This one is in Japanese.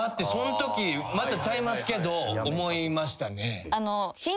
またちゃいますけど思いましたね。